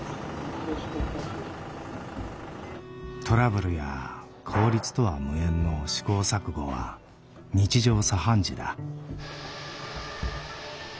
トラブルや効率とは無縁の試行錯誤は日常茶飯事だ。